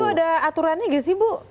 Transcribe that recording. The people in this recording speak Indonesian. itu ada aturannya nggak sih bu